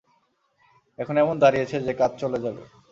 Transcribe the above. এখন এমন দাঁড়িয়েছে যে, কাজ চলে যাবে।